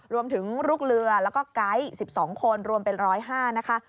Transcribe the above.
รวมถึงลูกเรือแล้วก็ไก๊๑๒คนรวมเป็น๑๐๕นะคะ